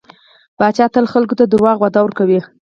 پاچا تل خلکو ته دروغ وعده ورکوي .